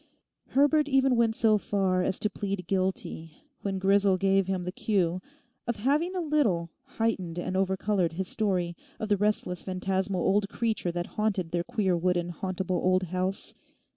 Herbert even went so far as to plead guilty, when Grisel gave him the cue, of having a little heightened and overcoloured his story of the restless phantasmal old creature that haunted their queer wooden hauntable old house.